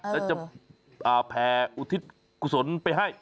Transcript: แล้วจะแผ่อุทิศกุศลไปให้